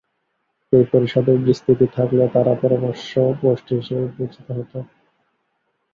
এ পরিষদের বিস্তৃতি থাকলেও তারা পরামর্শ গোষ্ঠী হিসেবে বিবেচিত হতো।